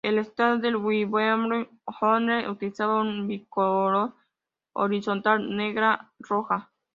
El Estado de Wurtemberg-Hohenzollern utilizaba una bicolor horizontal negra-roja.